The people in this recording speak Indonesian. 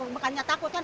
bukannya takut kan